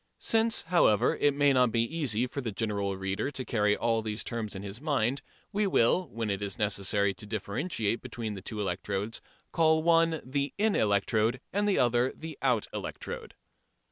Since, however, it may not be easy for the general reader to carry all these terms in his mind, we will, when it is necessary to differentiate between the two electrodes, call one the in electrode and the other the out electrode.